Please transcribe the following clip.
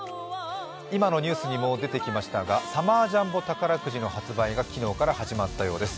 今のニュースにも出てきましたがサマージャンボ宝くじの発売が昨日から始まったようです